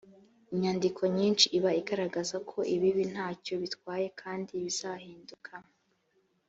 inyandiko nyinshi iba igaragaza ko ibibi nta cyo bitwaye kandi bizahinduka